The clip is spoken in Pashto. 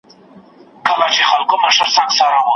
ما مي یوسف ته د خوبونو کیسه وژړله